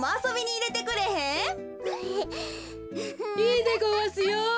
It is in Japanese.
いいでごわすよ！